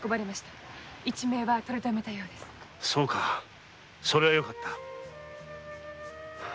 そうかそれはよかった。